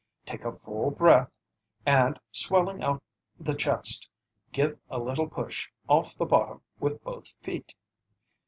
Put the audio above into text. Take a full breath, and swelling out the chest, give a little push off the bottom with both feet.